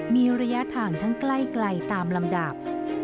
มีระยะทางทั้งใกล้ตามลำดับ